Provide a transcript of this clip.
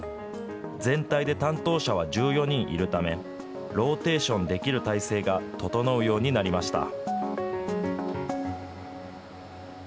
全体で担当者は１４人いるため、ローテーションできる体制が整うようになりました。